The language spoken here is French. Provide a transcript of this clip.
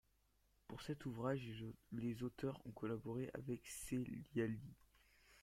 Pour cet ouvrage, les auteurs ont collaboré avec Sellali.